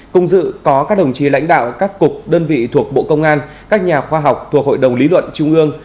cùng dự có các đồng chí lãnh đạo các cục đơn vị thuộc bộ công an các nhà khoa học thuộc hội đồng lý luận trung ương